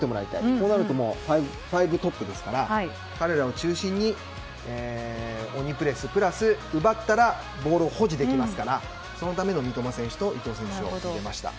こうなると５トップですから彼らを中心に鬼プレス、プラス奪ったらボールを保持できますからそのための三笘選手と伊東選手を入れました。